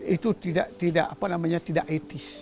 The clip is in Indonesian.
itu tidak tidak apa namanya tidak etis